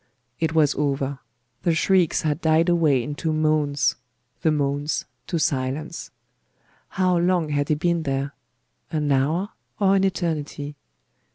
It was over. The shrieks had died away into moans; the moans to silence. How long had he been there? An hour, or an eternity?